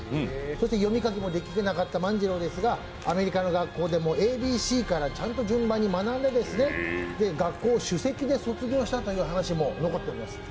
読み書きも出来なかった万次郎でしたが、アメリカの学校でＡＢＣからちゃんと順番に学んで、学校を首席で卒業したという話も残っています。